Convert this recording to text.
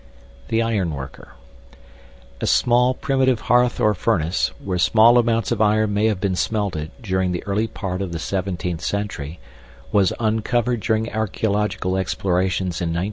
THE IRONWORKER A small, primitive hearth or furnace, where small amounts of iron may have been smelted during the early part of the 17th century, was uncovered during archeological explorations in 1955.